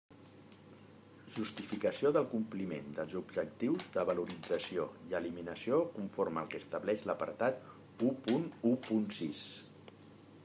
Justificació del compliment dels objectius de valorització i eliminació conforme al que estableix l'apartat u punt u punt sis.